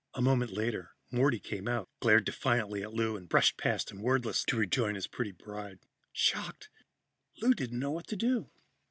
A moment later, Morty came out, glared defiantly at Lou and brushed past him wordlessly to rejoin his pretty bride. Shocked, Lou didn't know what to do.